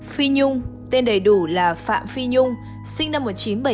phi nhung tên đầy đủ là phạm phi nhung sinh năm một nghìn chín trăm bảy mươi